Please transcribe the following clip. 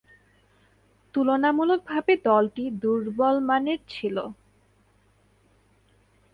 তুলনামূলকভাবে দলটি দূর্বলমানের ছিল।